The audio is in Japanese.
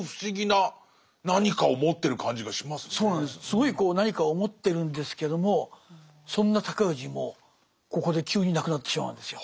すごい何かを持ってるんですけどもそんな尊氏もここで急に亡くなってしまうんですよ。